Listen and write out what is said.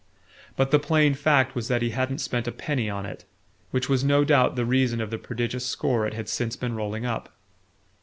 But the plain fact was that he hadn't spent a penny on it; which was no doubt the reason of the prodigious score it had since been rolling up.